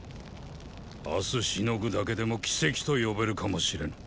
明日しのぐだけでも奇跡と呼べるかもしれぬ。